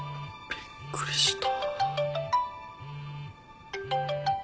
びっくりした。